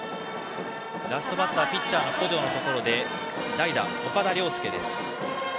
ラストバッターピッチャーの小城のところで代打、岡田諒介。